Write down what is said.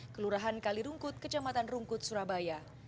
kelurahan kalirungkut kecamatan rungkut surabaya